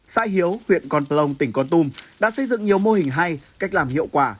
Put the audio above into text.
xã hiếu huyện con plong tỉnh con tum đã xây dựng nhiều mô hình hay cách làm hiệu quả